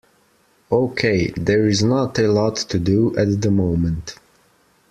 Okay, there is not a lot to do at the moment.